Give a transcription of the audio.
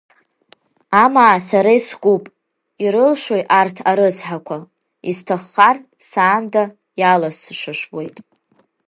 Амаа сара искуп, ирылшои арҭ арыцҳақәа, исҭаххар саанда иаласшышуеит.